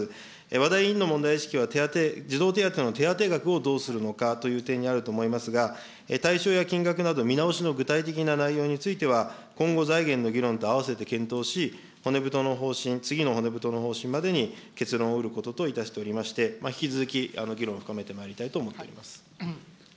和田委員の問題意識は児童手当の手当額をどうするのかという点にあると思いますが、対象や金額など見直しの具体的な内容については、今後、財源の議論と合わせて検討し、骨太の方針、次の骨太の方針までに結論をうることといたしておりまして、引き続き議論を深めてまいりたいと思っております。